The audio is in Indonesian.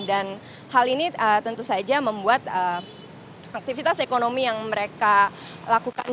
dan hal ini tentu saja membuat aktivitas ekonomi yang mereka lakukan